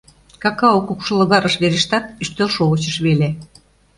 Какао кукшылогарыш верештат, ӱстелшовычыш веле.